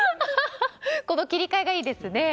この切り替えがいいですね。